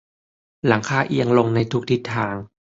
หลังคาเอียงลงในทุกทิศทาง